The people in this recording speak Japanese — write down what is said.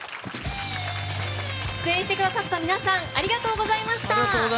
出演してくださった皆さんありがとうございました。